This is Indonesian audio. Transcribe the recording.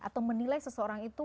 atau menilai seseorang itu